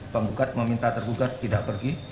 penggugat meminta tergugat tidak pergi